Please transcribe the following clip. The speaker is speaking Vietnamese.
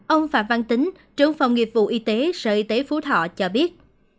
ông phạm văn tính trưởng phòng nghiệp vụ y tế sở y tế phú thọ cho biết